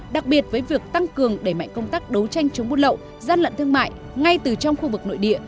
đặc biệt với việc tăng cường đẩy mạnh công tác đấu tranh chống buôn lậu gian lận thương mại ngay từ trong khu vực nội địa